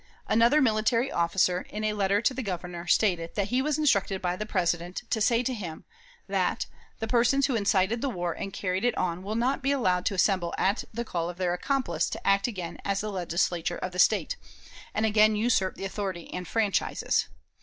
Another military officer, in a letter to the Governor, stated that he was instructed by the President to say to him, that "the persons who incited the war and carried it on will not be allowed to assemble at the call of their accomplice to act again as the Legislature of the State, and again usurp the authority and franchises.